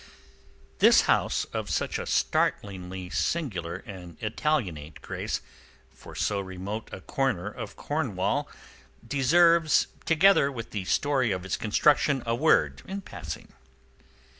This house of such a startlingly singular and Italianate grace for so remote a corner of Cornwall deserves, together with the story of its construction, a word in passing.